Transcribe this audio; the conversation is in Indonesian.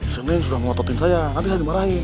senin sudah mengototin saya nanti saya dimarahin